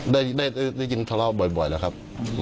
ได้ยินทะเลาะบ่อยแล้วครับ